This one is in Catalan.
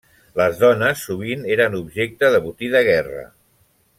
Les dones sovint eren objecte de botí de guerra.